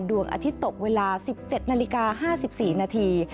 ดวงอาทิตย์ตกเวลา๑๗นาฬิกา๕๔นาที